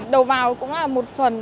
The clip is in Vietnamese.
đầu báo cũng là một phần